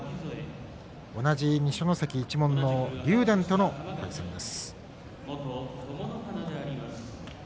同じ二所ノ関一門の竜電との対戦です。